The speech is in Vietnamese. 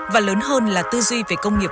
và lớn hơn là tư duy về công nghiệp